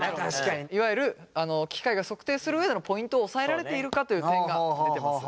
いわゆる機械が測定する上でのポイントを押さえられているかという点が出てます。